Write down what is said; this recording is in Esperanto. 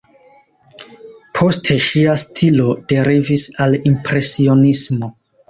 Poste ŝia stilo derivis al impresionismo.